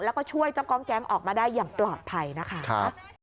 แล้วก็ช่วยเจ้ากองแก๊งออกมาได้อย่างปลอดภัยนะคะ